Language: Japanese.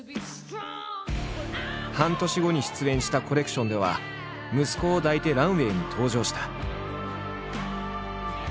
半年後に出演したコレクションでは息子を抱いてランウエイに登場した。